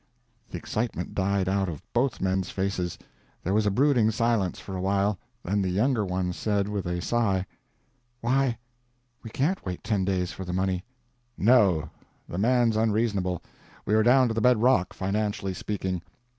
The excitement died out of both men's faces. There was a brooding silence for a while, then the younger one said with a sigh: "Why, we can't wait ten days for the money." "No—the man's unreasonable; we are down to the bed rock, financially speaking."